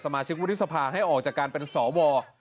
มาชิกวุฒิสภาให้ออกจากการเป็นสว